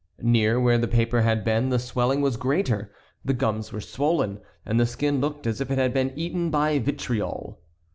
Near where the paper had been the swelling was greater, the gums were swollen, and the skin looked as if it had been eaten by vitriol.